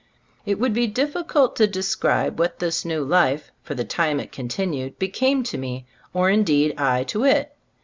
It would be difficult to describe what this new life, for the time it con tinued, became to me, or indeed I to it.